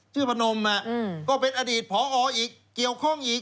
พนมก็เป็นอดีตพออีกเกี่ยวข้องอีก